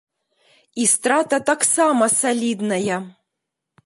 І страта таксама салідная!